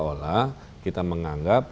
olah kita menganggap